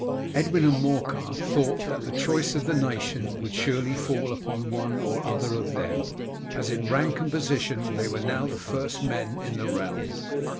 Edwin and Morcar thought that the choice of the nation would surely fall upon one or other of them, as in rank and position they were now the first men in the realm.